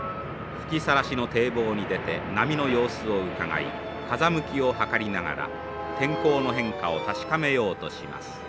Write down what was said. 吹きさらしの堤防に出て波の様子をうかがい風向きをはかりながら天候の変化を確かめようとします。